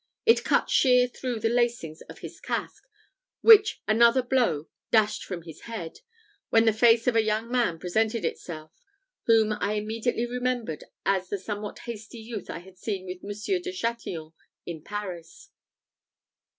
It cut sheer through the lacings of his casque, which another blow dashed from his head; when the face of a young man presented itself, whom I immediately remembered as the somewhat hasty youth I had seen with Monsieur de Chatillon in Paris.